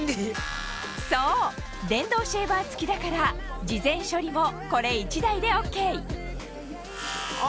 そう電動シェーバー付きだから事前処理もこれ１台でＯＫあ